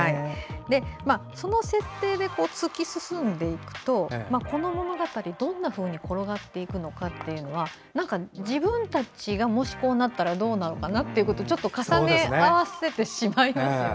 この設定で突き進んでいくとこの物語どんなふうに転がっていくのかという自分たちが、もしこうなったらどうなのかなと重ね合わせてしまいますよね。